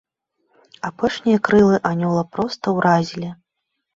Апошнія крылы анёла проста уразілі.